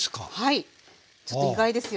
ちょっと意外ですよね。